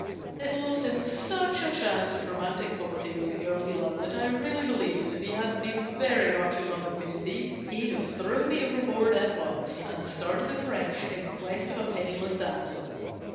It lost him such a chance of romantic poverty with the girl he loved that I really believe, if he hadn't been very much in love with me indeed, he'd have thrown GENERAL PASSAVANT^S WILL. 349 me overboard at once, and started afresh in quest of a penniless damsel.